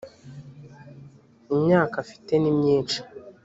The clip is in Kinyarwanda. imyaka afite nimyishi.